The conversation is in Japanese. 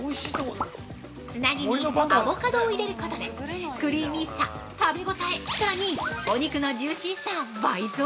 ◆つなぎにアボカドを入れることでクリーミーさ、食べ応え、さらに、お肉のジューシーさ倍増。